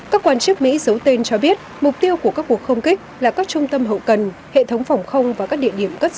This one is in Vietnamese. các quan chức mỹ giấu tên cho biết mục tiêu của các cuộc không kích là các trung tâm hậu cần hệ thống phòng không và các địa điểm cất dấu